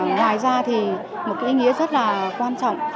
ngoài ra một ý nghĩa rất quan trọng